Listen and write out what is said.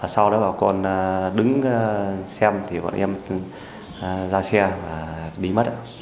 sau đó bà con đứng xem thì bọn em ra xe và đi mất